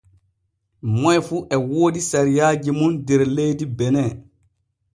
Moy fu e woodi sariaaji mun der leydi bene.